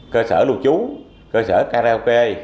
cơ sở lưu trú cơ sở ca rác